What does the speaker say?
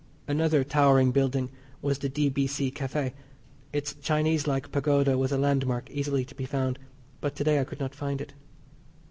Another towering building was the D.B.C. Café. Its Chinese like pagoda was a landmark easily to be found, but to day I could not find it.